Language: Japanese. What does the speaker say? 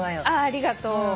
ありがとう。